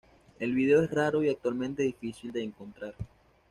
El video es raro y actualmente difícil de encontrar.